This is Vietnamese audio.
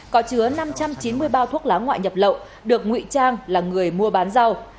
có chứa năm trăm chín mươi bao thuốc lá ngoại nhập lậu được nguy trang là người mua bán rau